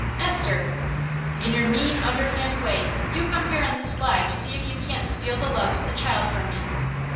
"Esther!" "In your mean, underhand way you come here on the sly to see if you can't steal the love of the child from me."